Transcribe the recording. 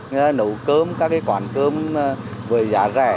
như là nấu cơm các cái quán cơm với giá rẻ